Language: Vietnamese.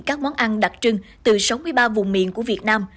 các món ăn đặc trưng từ sáu mươi ba vùng miền của việt nam